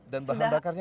dan bahan bakarnya